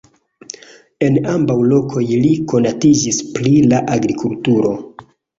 En ambaŭ lokoj li konatiĝis pri la agrikulturo.